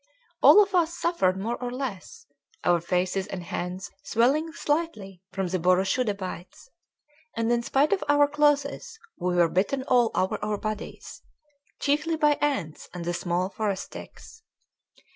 All of us suffered more or less, our faces and hands swelling slightly from the boroshuda bites; and in spite of our clothes we were bitten all over our bodies, chiefly by ants and the small forest ticks.